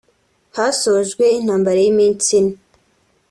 Hasojwe intambara y’iminsi ine